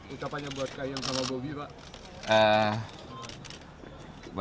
ucapannya buat kahiyang sama bobi pak